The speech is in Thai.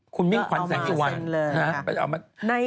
คุณมิ่งควันแสงอีกวันเอามาแสนเลยนะครับ